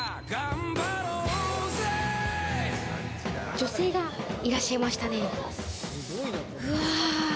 女性がいらっしゃいましたね。